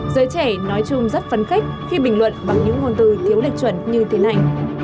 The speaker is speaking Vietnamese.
giới trẻ nói chung rất phấn khích khi bình luận bằng những ngôn từ thiếu lịch chuẩn như thế này